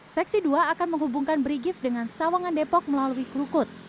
seksi dua akan menghubungkan brigif dengan sawangan depok melalui krukut